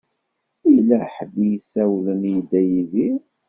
Yella ḥedd i s-isawlen i Dda Yidir.